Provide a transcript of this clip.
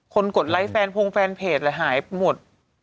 คนกดไลน์แฟงเคลาเปจแหละหายหมด